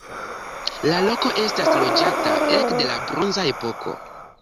La loko estas loĝata ekde la bronza epoko.